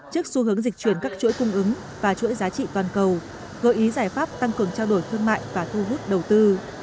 trước xu hướng dịch chuyển các chuỗi cung ứng và chuỗi giá trị toàn cầu gợi ý giải pháp tăng cường trao đổi thương mại và thu hút đầu tư